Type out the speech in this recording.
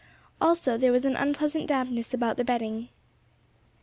Also there was an unpleasant dampness about the bedding.